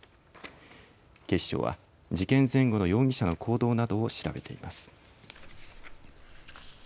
警視庁は事件前後の容疑者の行動などを調べています。